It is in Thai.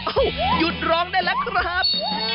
หยุดร้องได้แล้วครับ